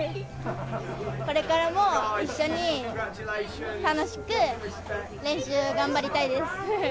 これからも一緒に楽しく練習頑張りたいです。